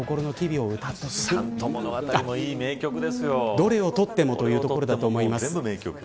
どれをとってもというところだと思います。